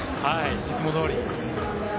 いつもどおり。